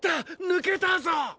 ぬけたぞ！